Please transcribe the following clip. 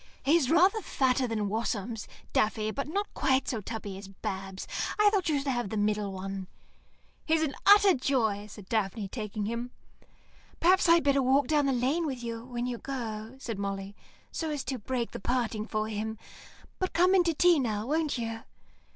"He's rather fatter than Wasums, Daffy, but not quite so tubby as Babs. I thought you should have the middle one." "He's an utter joy," said Daphne, taking him. "Perhaps I'd better walk down the lane with you when you go," said Molly, "so as to break the parting for him. But come in to tea now, won't you."